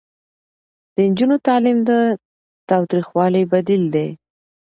د نجونو تعلیم د تاوتریخوالي بدیل دی.